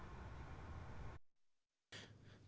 với bang georgia